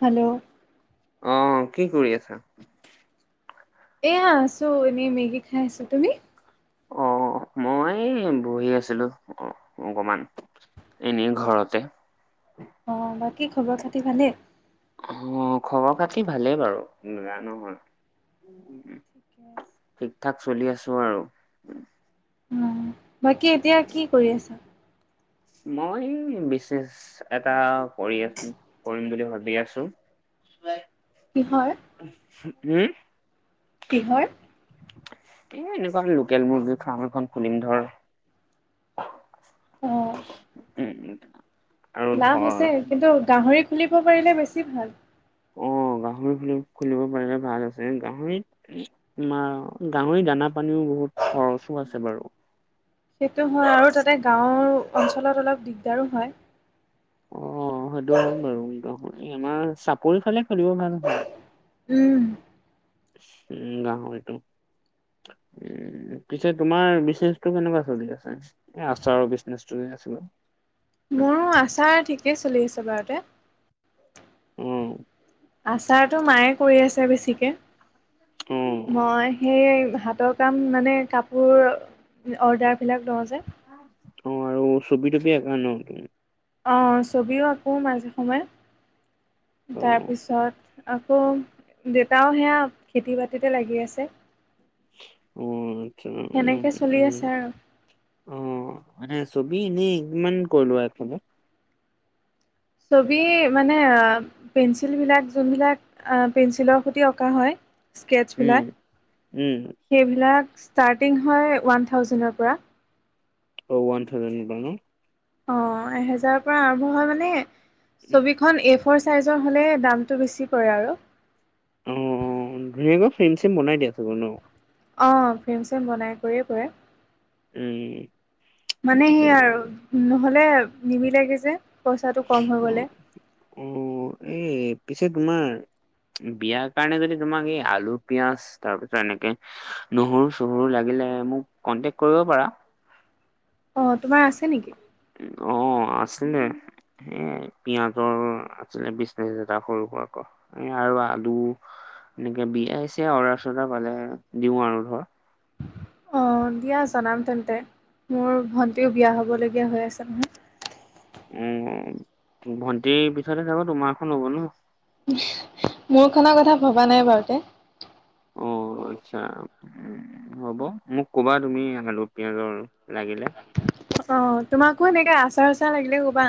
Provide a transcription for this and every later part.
Hello আহ, কি কৰি আছা? এয়া আছো এনেই, মেগী খাই আছো, তুমি? অ' মই বহি আছিলো, অ' অকমান। এনেই ঘৰতে। অ' বাকী খবৰ খাতি ভালেই? অ' খবৰ খাতি ভালেই বাৰু, বেয়া নহয়। ঠিকে আছে। ঠিকঠাক চলি আছো আৰু। অ', বাকী এতিয়া কি কৰি আছা? মই বিচনেচ, এটা কৰি আছো, কৰিম বুলি ভাবি আছো। কিহৰ? হম? কিহৰ? এ এনেকুৱা লোকেল মুৰ্গীৰ ফাৰ্ম এখন খুলিম ধৰ। অ উম উম। লাভ আছে, কিন্তু গাহৰি খুলিব পাৰিলে বেছি ভাল। অ' গাহৰি খ খুলিব পাৰিলে ভাল আছে, গাহৰিত মা গাহৰি দানা পানীও বহুত খৰচো আছে বাৰু। সেইটো হয়, আৰু তাতে গাঁৱৰ অঞ্চলত অলপ দিগদাৰো হয়। অ' সেইটো হয় বাৰু [unintelligible] একদ আমাৰ চাপৰি ফালে খোলিব ভাল হব। উম। উম গাঁাহৰটো। উম, পিছে তোমাৰ বিজনেছটো কেনেকুৱা চলি আছে? এ আচাৰৰ বিজনেছটো যে আছিলে। মোৰ আচাৰ ঠিকেই চলি আছে বাৰুতে। উম। আচাৰতো মায়ে কৰি আছে বেছিকে, অ', মই সেই হাতত কাম মানে কাপোৰ, অৰ্ডাৰবিলাক লওঁ যে। অ' আৰু ছবি তবি আকা ন' তুমি? অ' ছবিও আঁকো মাজে সময়ে। অ'। তাৰপিছত আকৌ, দেউতাও সেয়া খেতি বাতিতে লাগি আছে। অ' আচ্ছা, উম, সেনেকে চলি উ, উম। আছে আৰু অ' মানে ছবি এনেই কিমানকে লোৱা এখনত? ছবি মানে আ পেঞ্চিলবিলাক যোনবিলাক পেঞ্চিলৰ সৈতে অঁকা হয় স্কেটছবিলাক, উম, উম, সেইবিলাক ষ্টাৰ্টিং হয় ওৱান থাউজেণ্ডৰপৰা। অ' ওৱান থাউেণ্ডৰপৰা ন'? অ' এহেজাৰৰপৰা আৰম্ভ হয় মানে ছবি এখন এফ'ৰ ছাইজৰ হ'লে দামটো বেছি পৰে আৰু। অ' ধুনীয়াকৈ ফ্ৰেম চেম বনাই দিয়া ছাগৈ ন'? অ' ফেম চেম বনাই কৰিয়ে কৰে। উম। মানে আচ্ছা সেই আৰু নহ'লে নিবিলেগেযে পইচাটো কম হৈ অ'। গ'লে। অ' এই পিছে তোমাৰ বিয়াৰ কাৰণে যদি তোমাক এই আলু, পিয়াজ তাৰপিছত এনেকে নহৰু চহৰু লাগিলে মোক কনটেকট কৰিব পাৰা। অ' তোমাৰ আছে নেকি? অ' আছিলে। সেয়াই পিয়াজৰ আছিলে বিজনেছ এটা সৰু সুৰা আকৌ। এ, আৰু আলু এনেকে বিয়াই চিয়া অৰ্ডাৰ পালে দিওঁ আৰু ধৰ। অ' দিয়া জনাম তেন্তে, মোৰ ভণ্টিৰ বিয়া হ'বলগীয়া হৈ আছে নহয়। অ' ভণ্টিৰ পিছতে যাব তোমাৰখন হ'ব ন'? মোৰখনৰ কথা ভবা নাই বাৰুতে। অ' আচ্ছা। উ, হ'ব, মোক ক'বা তুমি আলু পিয়াজৰ লাগিলে। অ' তোমাকো এনেকে আচাৰ চাচাৰ লাগিলে ক'বা।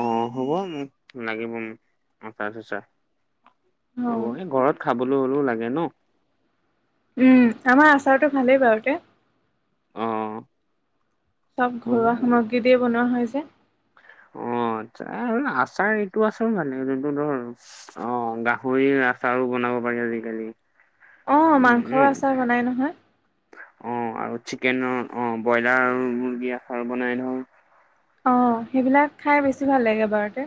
অ' হ'ব মোক লাগিব মোক আচাৰ চাচাৰ, হ'ব অঁ। এই ঘৰত খাবলৈ হ'লেও লাগে ন'। উম, আমাৰ আচাৰটো ভালেই বাৰুতে। অ'। চব হ'ব ঘৰুৱা সামগ্ৰী দিয়ে বনোৱা হয় যে। অ' আচ্ছা আৰু আচাৰ এইটো আচাৰ মানে যোনটো ধৰ অ' গাহৰিৰ আচাৰো বনাব পাৰি আজিকালি। অঁ মাংসৰ [unintelligible] আচাৰ বনাই নহয়। অ' আৰু চিকেনৰ অ' ব্ৰইলাৰ আৰু মুৰ্গীৰ আচাৰ বনাই নহয়। অ' সেইবিলাক খাই বেছি ভাল লাগে বাৰুতে,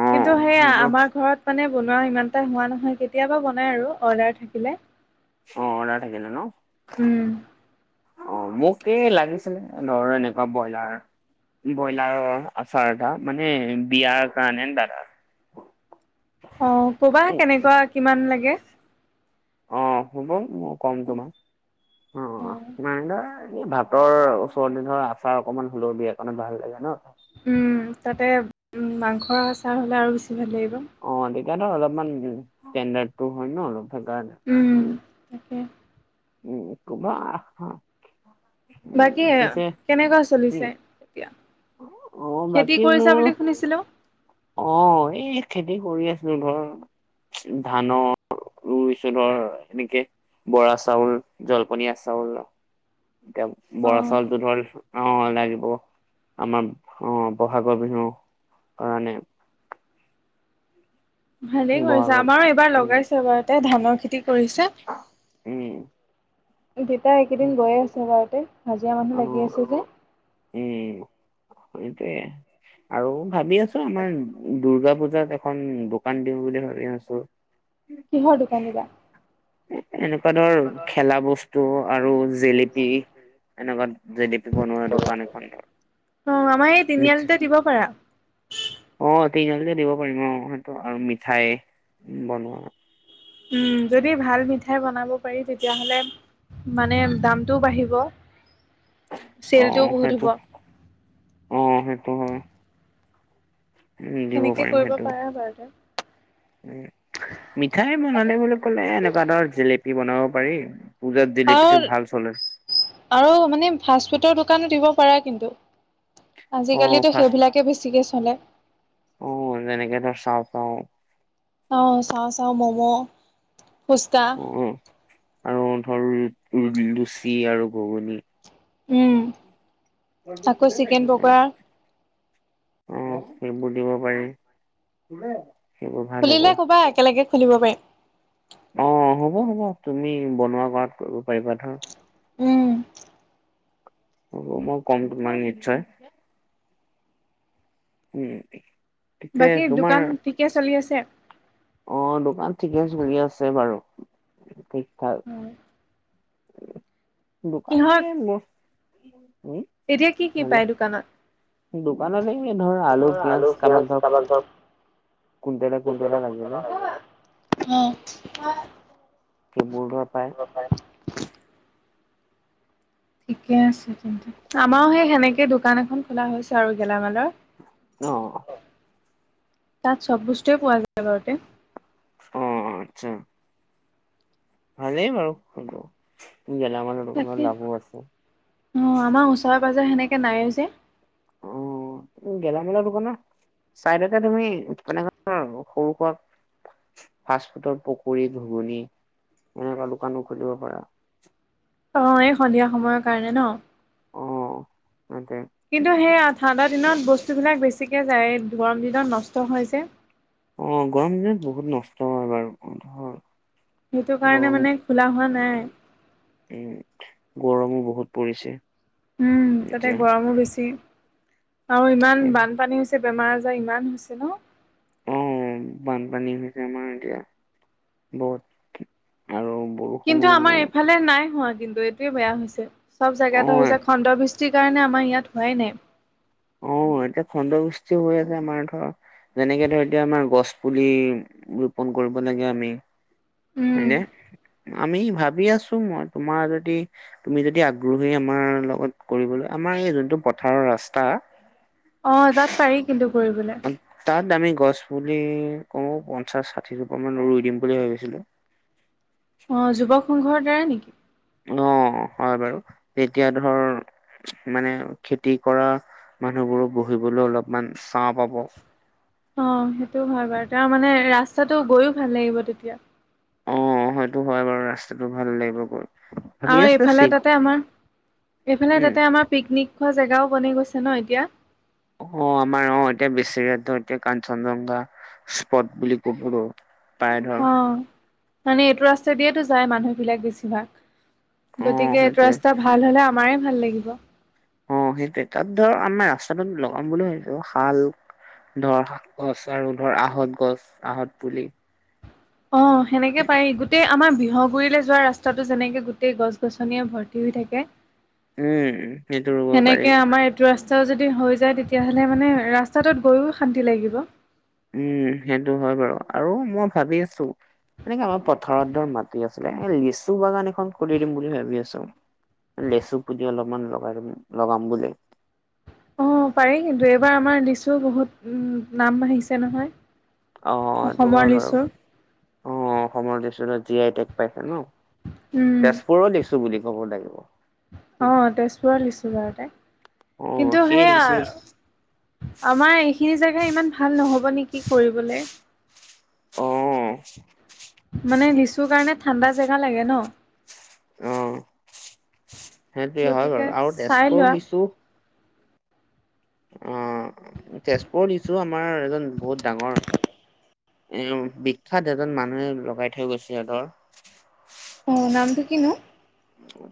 অ কিন্তু সেইয়া সেইটো আমাৰ ঘৰত মানে বনোৱা ইমান এটা হোৱা নহয়, কেতিয়াবা বনাই আৰু। অৰ্ডাৰ থাকিলে অ' অৰ্ডাৰ থাকিলে ন'? উম। অ' মোক এই লাগিছিলে ধৰ এনেকুৱা ব্ৰইলাৰ ব্ৰইলাৰৰ আচাৰ এটা, মানে বিয়াৰ কাৰণে দাদাৰ [inaudible] অ' ক'বা কেনেকুৱা কিমান লাগে। অ' হ'ব মই কম তোমাক অ' অঁ অ'। [unintelligible] ভাতৰ ওচৰতে ধৰ আচাৰ অকনমান হ'লেও দিয়া কাৰনে ভাল লাগে ন'? উম, তাতে মাংসৰ আচাৰ হ'লে আৰু বেছি ভাল লাগিব। অ' তেতিয়া ধৰ অলপমান ষ্টেণ্ডাৰ্ডটু হয় ন' অলপ হেইকাৰণে। উম। তাকে উম কুমাৰ [unintelligible] বাকী কেনেকুৱা উম, চলিছে এতিয়া অ', খেতি বাকী কৰিছা মোৰ বুলি শুনিছিলোঁ অ', এই খেতি কৰি আছো এবা ধানৰ ৰুইচিলো এনেকে বৰা চাউল জলপনীয়া চাউল এতিয়া বৰা অ', চাউলতো ধৰ অ', লাগিব আমাৰ অ', বহাগৰ বিহু কাৰণে ভালেই কৰিছা বহাগৰ আমাৰো এইবাৰ লগাইছে বাৰুতে ধানৰ খেতি কৰিছে উম, দেউতা উম, এইকেইদিন গৈয়ে আছে বাৰোতে হাজিৰা অ মানুহ লাগি আছে যে উম, সেইটোয়ে আৰু ভাবি আছোঁ আমাৰ দুৰ্গা পুজাত এখন দোকান দিওঁ বুলি ভাবি আছোঁ কিহৰ দোকান দিবা? এনেকুৱা ধৰ খেলা বস্তু আৰু জেলেপি এনেকুৱা জেলিপি বনোৱা দোকান এখন ধৰ অ', আমাৰ এই তিনিআলিতে দিব পাৰা অ', তিনিআলিকে দিব পাৰিম অ', সেইটো আৰু মিঠাই বনোৱা উম, যদি ভাল মিঠাই বনাব পাৰি তেতিয়াহ'লে মানে দামটোও বাঢ়িব অ', চেলটোও বহুত সেইটো হ'ব অ', সেইটো হয়। উম দিব সেনেকে পাৰিম কৰিব সেইটো পাৰা বাৰুতে মিঠাই বনালে বুলি ক'লে এনেকুৱা ধৰ জেলেপি বনাব পাৰি পূজাত জিলিপিতো আৰু ভাল চলে আৰু মানে ফাষ্ট ফুডৰ দোকানো দিব পাৰা কিন্তু। অ আজিকালিটো ফাৰ্ষ্ট সেইবিলাকে বেছিকে চলে। অ', তেনেকে ধৰ চাওঁ, চাওঁ। অ', চাওঁ, চাওঁ, ম'ম', ফুচকা অ', আৰু ধৰ লুচি আৰু ঘূগোনি উম। আকৌ চিকেন পকৰা [inaudible] অ', সেইবোৰ দিব পাৰি। সেইবোৰ ভাল হ'ব খুলিলে ক'বা একেলগে খুলিব পাৰিম। অ', হ'ব হ'ব তুমি বনোৱা কৰাত কৰিব পাৰিবা ধৰা। উম। হ'ব মই ক'ম তোমাক নিশ্চয়। উম। পিছে বাকী তোমাৰ দোকান ঠিকে চলি আছে। অ', দোকান ঠিকে চলি আছে বাৰু ঠিক থাক। [inaudible] দোকান। কিহৰ [unintelligible] এতিয়া কি, কি পায় দোকানত? দোকানতে এই ধৰ ধৰা পিয়াজ আলু কাৰোবাক পিয়াঁজ ধৰ কাৰোবাক [unintelligible] কুইণ্টলে কুইণ্টলে লাগিলে [unintelligible] সেই মোৰ দ পায় [unintelligible] ঠিকে আছে তেন্তে আমাৰো সেই সেনেকে দোকান এখন খোলা হৈছে আৰু গেলামালৰ। অহ। তাত চব বস্তুৱে পোৱা যায় আগাৰতে। অ', আচ্ছা। ভালেই বাৰু গেলামালৰৰ তাকে দোকানত লাভো আছে। অ', আমাৰ ওচৰে পাজৰে সেনেকে নাই যে। অ', গেলামালৰ দোকান নে? চাইদতে তুমি [unintelligible] সৰু সুৰা ফাৰ্ষ্ট ফুডৰ পকুৰী, ঘুগুনি এনেকুৱা দোকানো খুলিব পাৰা। অ' এই সন্ধিয়া সময়ৰ কাৰণে ন। অ' তাকে কিন্তু, সেইয়া ঠাণ্ডা দিনত বস্তুবিলাক বেছিকে যায় গৰম দিনত নষ্ট হৈ যায়। অ' গৰম দিনত বহুত নষ্ট হয় বাৰু ধৰ। সেইটো কাৰণে গৰম মানে খোলা হোৱা নাই। উম, গৰমো বহুত পৰিছে। উম, তাতে এতিয়া গৰমো বেছি আৰু ইমান বানপানী। বেমাৰ আজাৰ ইমান হৈছে ন। অ বানপানী হৈছে আমাৰ এতিয়া বহুত আৰু কিন্তু বৰষুণো আমাৰ এইফালে নাই হোৱা। কিন্তু, এইটোয়ে বেয়া হৈছে চ'ব জোগা এটা অ হৈছে খণ্ড বিৃষ্ট যি কাৰণে আমাৰ ইয়াত হোৱাই নাই। অ' এতিয়া খণ্ডবৃষ্ঠি হৈ আছে আমাৰ ধৰ যেনেকে ধৰ এতিয়া আমাৰ গছ পুলি ৰোপন কৰিব লাগে আমি। উম। হয়নে আমি ভাবি আছোঁ, মই তোমাৰ যদি তুমি যদি আগ্ৰহী আমাৰ লগত কৰিবলৈ আমাৰ এই যোনটো পথাৰৰ ৰাস্তা অ' তাত পাৰি কিন্তু কৰিবলৈ। তাত আমি গছ পুলি কমেও পঞ্চাশ, ষাঠিৰ জোপা মান ৰুই দিম বুলি ভাবিছিলোঁ। অ' যুৱক সংঘৰ দ্বাৰা নেকি? অ' হয় বাৰু তেতিয়া ধৰ মানে খেতি কৰা মানুহবোৰো বহিবলৈ অলপমান চাৰহ পাব। অ' সেইটোও হয় বাৰু। তেওঁ মানে ৰাস্তাটো গৈও ভাল লাগিব তেতিয়া। অ' সেইটো হয় বাৰু ৰাস্তাটো ভাল লাগিব গৈ। ভাবি আৰু আছো এইফালে চিক তাতে আমাৰ এইফালে উম তাতে আমাৰ পিকনিক হোৱা জেগাও বনি গৈছে ন এতিয়া। অ' আমাৰ অ' এতিয়া বেছিয়াটো এতিয়া কাঞ্চনজংঘা স্পট বুলি ক'ব আৰু পাই ধৰ অ', মানে এইটো ৰাস্তা দিয়ে তোৰ যায় মানুহ বিলাক বেছিভাগ, অ গতিকে এইটো সেইটোৱে ৰাস্তা ভাল হ'লে আমাৰে ভাল লাগিব। অ' সেইটোৱে তাত ধৰ আমাৰ ৰাস্তাটোত লগাম বুলি ভাবিছোঁ শাল ধৰ শাক গছ আৰু ধৰ আহঁত গছ, আহঁত পুলি। অ' সেনেকে পাৰি গোট গোটেই আমাৰ বিহগুৰিলৈ যোৱা ৰাস্তাটো যেনেকে গোটেই গছ গছনিয়ে ভৰ্তি হৈ থাকে। উম সেইটো ৰুব পাৰি সেনেকে আমাৰ টো ৰাস্তাও যদি হৈ যায়। তেতিয়াহ'লে মানে ৰাস্তাটোত গৈও শান্তি লাগিব। উম, সেইটো হয় বাৰু আৰু মই ভাবি আছোঁ। এনেকে আমাৰ পথাৰত ধৰ মাটি আছিলে, এই লিচু বাগান এখন খুলি দিম বুলি ভাবি আছোঁ। লেচু পুলি অলপমান লগাই লগাম বুলি। অ' পাৰি কিন্তু এইবাৰ আমাৰ লিছু বহুত নাম আহিছে নহয়। অ' সেইটো অসমৰ হয় বাৰু লিচু অ' অসমৰ দিছোঁ জীয়াই টে পাইছে ন। উম, তেজপুৰ লিছু বুলি ক'ব লাগিব। আহ তেজপুৰত লিছু বাৰুতে অ কিন্তু সেই সেয়া লিচু আমাৰ এইখিনি জেগা ইমান ভাল নহ'ব নেকি কৰিবলে? অহ' মানে লিছু কাৰণে ঠাণ্ডা জেগা লাগে ন। অ' সেইটোৱে হয় গতিকে বাৰু আৰু চাই তেজপুৰ লোৱা লিছু অ' তেজপুৰত লিছু আমাৰ এজন বহুত ডাঙৰ এ বিখ্যাত এজন মানুহে লগাই থৈ গৈছে ধৰ। অ' নামটো কিনো?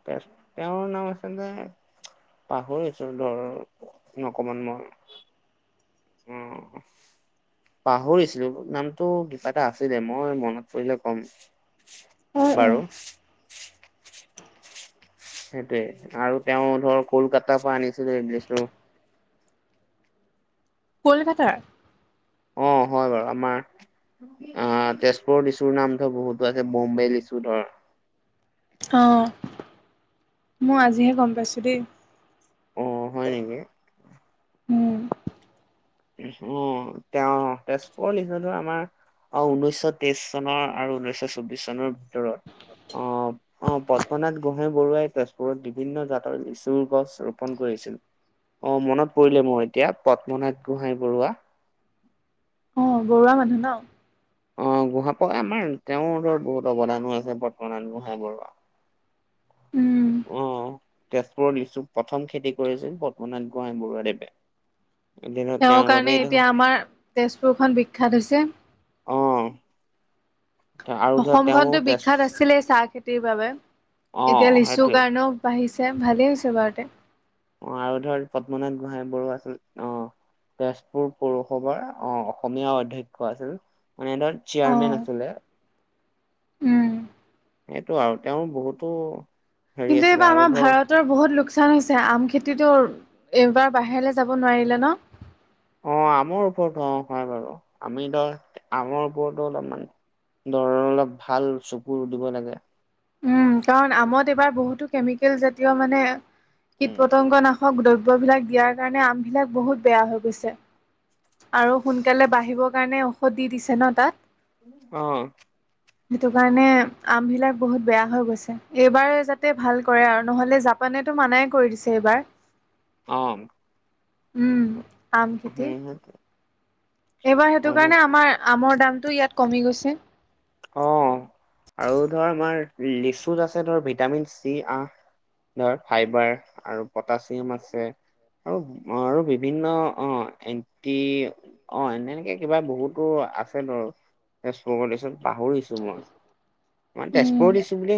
তে তেওঁ নাম আছিলে। পাহৰিছো ধৰ অকমান মই। অ'। পাহৰিছিলো নামটো কিবা এটা আছিলে মই মনত পৰিলে কম। অ অ বাৰু। সেইটোয়ে আৰু তেওঁ ধৰ কলকাতাৰ পৰা আনিছিলে [unintelligible] কলকাতাৰ? অ', হয় বাৰু আমাৰ অ', তেজপুৰৰ লিচুৰ নাম ধৰ বহুতো আছে বৌম্বে লিচু ধৰ। অ', মই আজিহে গম পাইছোঁ দেই। অ', হয় নেকি? উম। অ', তেওঁ তেজপুৰৰ নিচুটো আমাৰ অ', ঊনৈশ তেইশ চনৰ আৰু ঊনৈশ চৌববিশ চনৰ ভিতৰত অ' অ', পদ্মনাথ গোহাঁই বৰুৱাই তেজপুৰত বিভিন্ন জাতৰ লিচুৰ গছ ৰোপন কৰিছিল। অ', মনত পৰিলে মোৰ এতিয়া পদ্মনাথ গোহাই বৰুৱা। অ', বৰুৱা মানুহ ন? অ', গোহাঁপক আমাৰ তেওঁৰ ধৰ বহুত অৱদানো আছে পদ্মনাথ গোহাঁই বৰুৱা। উম। অ'। তেজপুৰৰ লিচু প্ৰথম খেতি কৰিছিল পদ্মনাথ গোহাঁই বৰুৱাদেৱে। এদিনত তেওঁৰ কাৰণে বাবেই ধৰ এতিয়া আমাৰ তেজপুৰখন বিখ্যাত হৈছে। অ'। আৰু ধৰ তেওঁ অসমখনতো তেজ বিখ্যাত আছিলে চাহ খেতি বাবে, এতিয়া অ', লিচুৰ সেইটোৱে কাৰণেও বাঢ়িছে ভালেই হৈছে বাৰুতে। অ', আৰু ধৰ পদ্মনাথ গোহাঁই বৰুৱা আছিল অ'। তেজপুৰ পৌৰসভাৰ অহ অসমীয়া অধ্যক্ষ আছিল। মানে ধৰ অ চেয়াৰমেন আছিলে। উম। সেইটো আৰু তেওঁ বহুতো হেৰি আছিলে আৰু ধৰ তোৰ বহুত লোকচান হৈছে আম খেতিটো এইবাৰ বাহিৰলৈ যাব নোৱাৰিলে ন। অ', আমৰ ওপৰতো অ' হয় বাৰু আমি ধৰ আমৰ ওপৰতো অলপমান ধৰ অলপ ভাল চকুৰ দিব লাগে। উম, কাৰণ আমত এবাৰ বহুতো কেমিকেল জাতীয় মানে কীট উম, পতংগ নাশ ক দ্ৰব্যবিলাক দিয়াৰ কাৰণে আমবিলাক বহুত বেয়া হৈ গৈছে। আৰু সোনকালে বাঢ়িবৰ কাৰণে ঔষধ দি দিছে ন তাত? অ'। সেইটো কাৰণে আমবিলাক বহুত বেয়া হৈ গৈছে। এইবাৰ যাতে ভাল কৰে আৰু নহ'লে জাপানেতো মানাই কৰি দিছে এইবাৰ। অ'। উম, আম খেতি। উম এইবাৰ সেইটো কাৰণে আমাৰ আমৰ দামটো ইয়াত কমি গৈছে। অ', আৰু ধৰ আমাৰ লিচুত আছে ধৰ ভিটামিন চি আ ধৰ ফাইভাৰ আৰু পটাছিয়াম আছে। আৰু আৰু বিভিন্ন অ' এন্টি অ', এনে এনেকে কিবা বহুতো আছে বৰ তেজপুৰৰ লিচুত পাহৰিছো মই। মানে উম। তেজপুৰৰ লিচু বুলি নহ